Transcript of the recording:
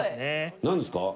何ですか？